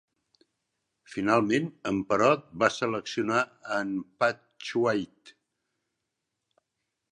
Finalment, en Perot va seleccionar a en Pat Choate.